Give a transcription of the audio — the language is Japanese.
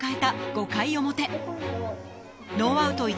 ５回表ノーアウト１